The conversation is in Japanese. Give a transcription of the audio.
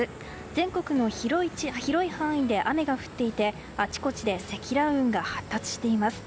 全国の広い範囲で雨が降っていて、あちこちで積乱雲が発達しています。